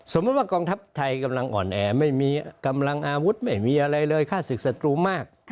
สมมุติว่ากองทัพไทยกำลังอ่อนแอไม่มีกำลังอาวุธไม่มีอะไรเลยฆ่าศึกศัตรูมาก